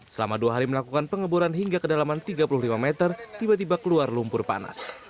selama dua hari melakukan pengeboran hingga kedalaman tiga puluh lima meter tiba tiba keluar lumpur panas